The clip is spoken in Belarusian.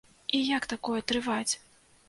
І як такое трываць?